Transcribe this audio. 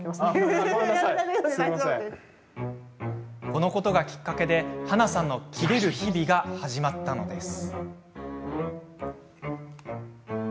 このことがきっかけではなさんのキレる日々が始まったのです。